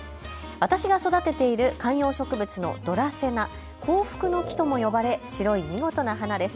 私が育てている観葉植物のドラセナ、幸福の木とも呼ばれ白い見事な花です。